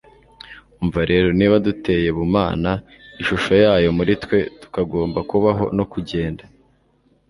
urumva rero niba duteye bumana (ishusho yayo muri twe) tukagomba kubaho no kugenda